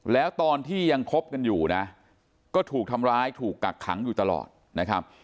แล้วตอนที่ยังคบกันอยู่นะก็ถูกทำร้ายถูกกักขังอยู่ตลอดนะครับ